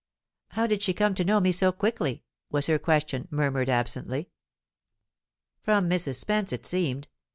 "How did she come to know me so quickly?" was her question, murmured absently. "From Mrs. Spence, it seemed.